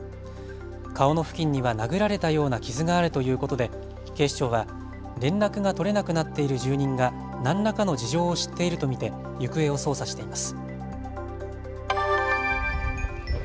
顔の付近には殴られたような傷があるということで警視庁は連絡が取れなくなっている住人が何らかの事情を知っていると見て行方を捜査しています。